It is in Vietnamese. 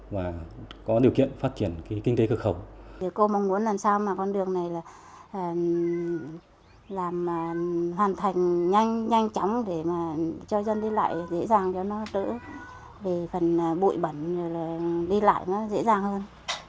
vì phần bụi bẩn đi lại nó dễ dàng hơn